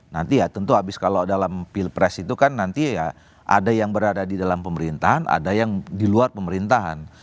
nanti ya tentu habis kalau dalam pilpres itu kan nanti ya ada yang berada di dalam pemerintahan ada yang di luar pemerintahan